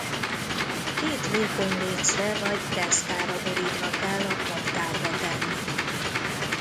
Két vékony lécre vagy deszkára borítva kell a kaptárba tenni.